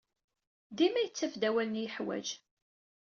Dima yettaf-d awalen ay yeḥwaj.